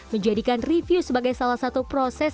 menjadikan review sebagai salah satu proses